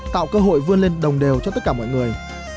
tạo cơ hội vươn lên đồng đều cho tất cả mọi người